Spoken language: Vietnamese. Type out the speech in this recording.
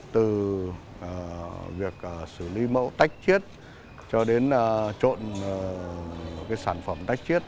từ việc xử lý mẫu tách chiết cho đến trộn sản phẩm tách chiết